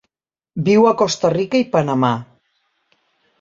Viu a Costa Rica i Panamà.